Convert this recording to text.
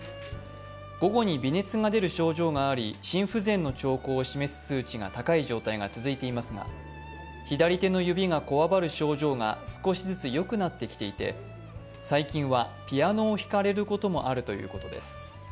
午後に微熱が出る症状があり、心不全の兆候を示す数値が高い状態が続いていますが左手の指がこわばる状況が少しずつよくなってきていて、最近はピアノを弾かれることもあるということです。